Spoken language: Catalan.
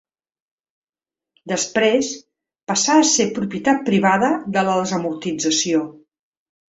Després, passà a ser propietat privada de la desamortització.